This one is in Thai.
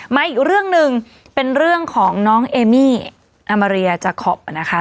มาอีกเรื่องหนึ่งเป็นเรื่องของน้องเอมี่อามาเรียจาคอปนะคะ